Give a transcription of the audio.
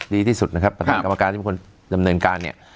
ดีที่สุดนะครับประธานกรรมการที่เป็นคนดำเนินการเนี่ย